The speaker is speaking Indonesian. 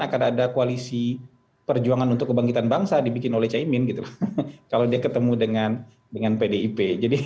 akan ada koalisi perjuangan untuk kebangkitan bangsa dibikin oleh caibin kalau dia ketemu dengan pdip